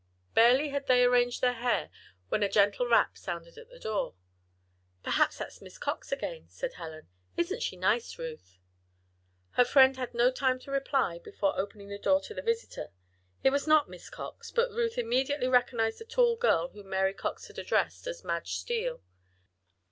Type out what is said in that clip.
Barely had they arranged their hair when a gentle rap sounded at the door. "Perhaps that's Miss Cox again," said Helen. "Isn't she nice, Ruth?" Her friend had no time to reply before opening the door to the visitor. It was not Miss Cox, but Ruth immediately recognized the tall girl whom Mary Cox had addressed as Madge Steele.